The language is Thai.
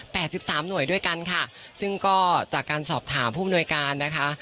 สิบสามหน่วยด้วยกันค่ะซึ่งก็จากการสอบถามผู้อำนวยการนะคะ